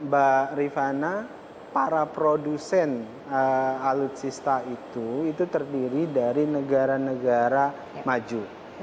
bagaimana menghindari alutsista yang terdiri dari negara negara maju